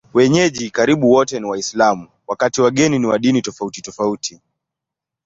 Wenyeji karibu wote ni Waislamu, wakati wageni ni wa dini tofautitofauti.